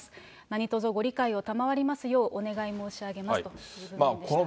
なにとぞご理解を賜りますよう、お願い申し上げますという文面でした。